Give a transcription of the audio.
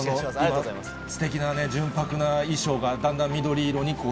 すてきな純白な衣装がだんだ